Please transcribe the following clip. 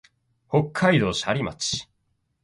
北海道斜里町